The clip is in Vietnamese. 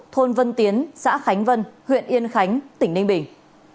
thôn vân tiến xã khánh vân huyện yên khánh tỉnh ninh bình